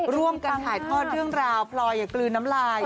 ร่วมกันถ่ายทอดเรื่องราวพลอยอย่ากลืนน้ำลาย